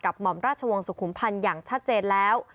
หม่อมราชวงศ์สุขุมพันธ์อย่างชัดเจนแล้ว